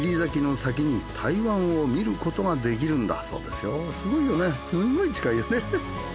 すごいよねすごい近いよね。